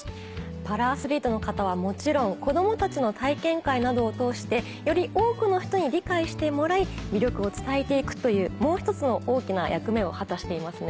パラアスリートの方はもちろん子供たちの体験会などを通してより多くの人に理解してもらい魅力を伝えていくというもう１つの大きな役目を果たしていますね。